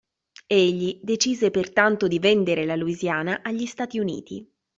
Egli decise pertanto di vendere la Louisiana agli Stati Uniti.